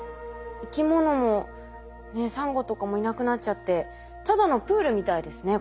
生き物もサンゴとかもいなくなっちゃってただのプールみたいですね